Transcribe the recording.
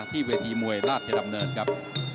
ที่เวทีมวยราชดำเนินครับ